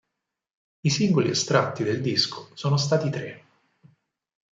I singoli estratti dal disco sono stati tre.